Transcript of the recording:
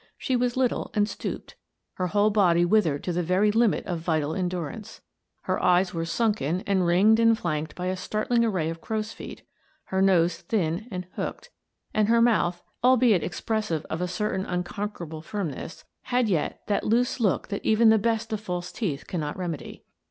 She was little and stooped — her whole body withered to the very limit of vital endurance. Her eyes were sunken and ringed and flanked by a startling array of crow's feet, her nose thin and hooked, and her mouth, albeit ex pressive of a certain unconquerable firmness, had yet that loose look which even the best of false teeth cannot remedy.